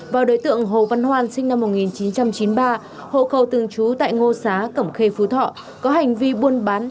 hồ văn hoan sinh năm một nghìn chín trăm chín mươi ba hộ khẩu thương chú tại ngô xá cẩm khê phú thọ có hành vi buôn bán